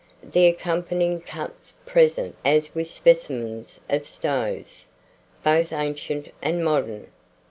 The accompanying cuts present us with specimens of stoves, both ancient and modern.